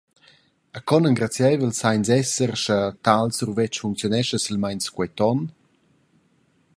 E con engrazieivels san ins esser, sche tal survetsch funcziunescha silmeins quei ton.